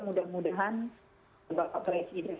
mudah mudahan bapak presiden